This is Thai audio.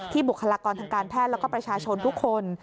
บุคลากรทางการแพทย์แล้วก็ประชาชนทุกคน